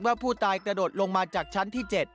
ผู้ตายกระโดดลงมาจากชั้นที่๗